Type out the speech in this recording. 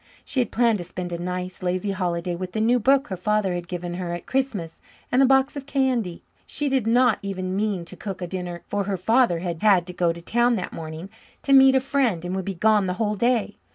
She had planned to spend a nice, lazy holiday with the new book her father had given her at Christmas and a box of candy. She did not even mean to cook a dinner, for her father had had to go to town that morning to meet a friend and would be gone the whole day.